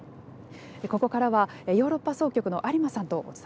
ここからはヨーロッパ総局の有馬さんとお伝えします。